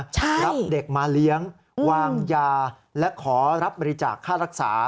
รับเด็กมาเลี้ยงวางยาและขอรับบริจาคค่ารักษา